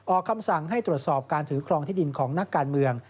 คำสั่งให้ตรวจสอบการถือครองที่ดินของนักการเมือง